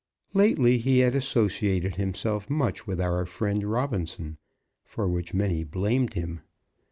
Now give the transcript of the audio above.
Lately he had associated himself much with our friend Robinson, for which many blamed him.